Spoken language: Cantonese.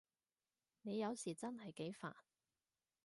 你有時真係幾煩